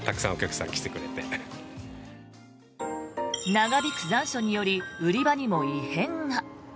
長引く残暑により売り場にも異変が。